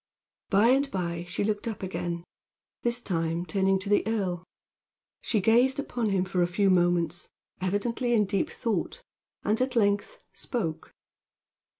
By and by she looked up again, this time turning to the earl. She gazed upon him for a few moments, evidently in deep thought, and at length spoke.